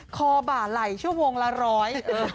คอบ่าไหล่ชั่วโมงละร้อย